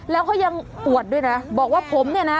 แล้วเขายังอวดด้วยนะบอกว่าผมเนี่ยนะ